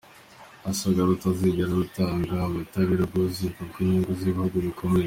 Asanga rutazigera rutanga ubutabera bwuzuye kubw’inyungu z’ibihugu bikomeye.